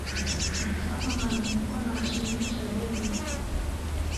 Icyampa nkamenya uko nashimisha David